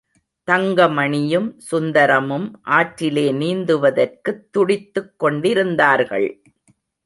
தங்கமணியும் சுந்தரமும் ஆற்றிலே நீந்துவதற்குத் துடித்துக் கொண்டிருந்தார்கள்.